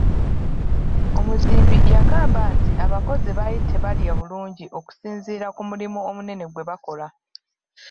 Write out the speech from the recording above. Omuzimbi yagamba nti abakozi baali tebalya bulungi okusinziira ku mulimu omunene gwe bakola.